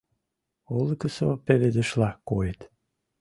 Олыкысо пеледышла койыт.